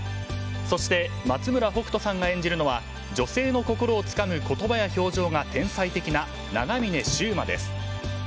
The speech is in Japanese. そして松村北斗さんが演じるのは女性の心をつかむ言葉や表情が天才的な長峰柊磨です。